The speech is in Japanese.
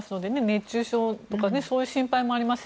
熱中症とかそういう心配もあります。